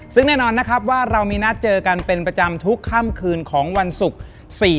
ซึ่งแน่นอนนะครับว่าเรามีนัดเจอกันเป็นประจำทุกค่ำคืนของวันศุกร์